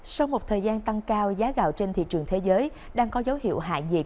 sau một thời gian tăng cao giá gạo trên thị trường thế giới đang có dấu hiệu hạ nhiệt